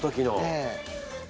ええ。